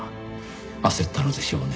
焦ったのでしょうね。